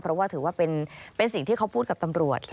เพราะว่าถือว่าเป็นสิ่งที่เขาพูดกับตำรวจ